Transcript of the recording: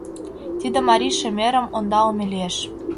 Тиде марий шемерым ондалыме лиеш.